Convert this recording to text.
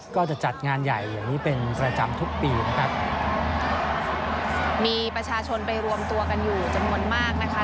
ก็จะจัดงานใหญ่อย่างนี้เป็นประจำทุกปีนะครับมีประชาชนไปรวมตัวกันอยู่จำนวนมากนะคะ